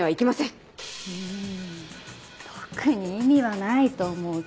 ん特に意味はないと思うけど。